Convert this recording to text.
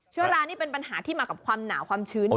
เชื้อรานี่เป็นปัญหาที่มากับความหนาวความชื้นนะ